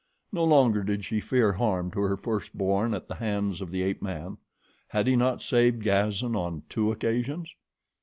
No longer did she fear harm to her first born at the hands of the ape man. Had he not saved Gazan on two occasions?